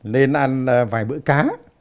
nên ăn vài bữa cá